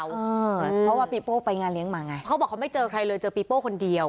เพราะว่าปีโป้ไปงานเลี้ยงมาไงเขาบอกเขาไม่เจอใครเลยเจอปีโป้คนเดียว